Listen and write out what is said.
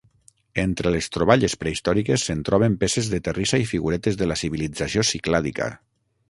Entre les troballes prehistòriques se'n troben peces de terrissa i figuretes de la civilització ciclàdica.